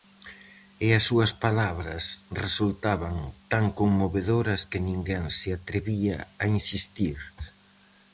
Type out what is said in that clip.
E as súas palabras resultaban tan conmovedoras que ninguén se atrevía a insistir.